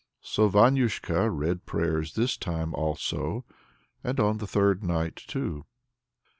So Vanyusha read prayers this time also and on the third night, too.